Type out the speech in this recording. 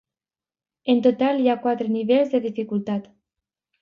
En total hi ha quatre nivells de dificultat.